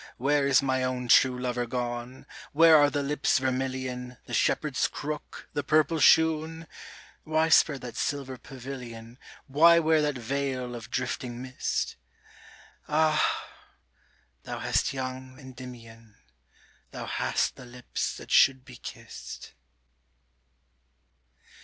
Where is my own true lover gone, Where are the lips vermilion, The shepherd's crook, the purple shoon ? Why spread that silver pavilion, Why wear that veil of drifting mist ? Ah ! thou hast young Endymion, Thou hast the lips that should be kissed